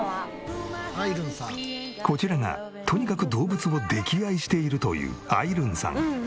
こちらがとにかく動物を溺愛しているというあいるんさん。